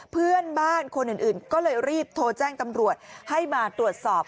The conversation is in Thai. เพื่อนบ้านคนอื่นก็เลยรีบโทรแจ้งตำรวจให้มาตรวจสอบ